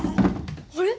あれ？